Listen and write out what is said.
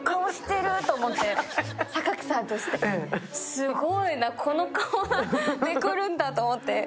すごいな、この顔で来るんだと思って。